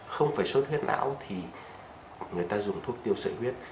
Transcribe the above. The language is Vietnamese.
không phải sốt huyết não thì người ta dùng thuốc tiêu sợi huyết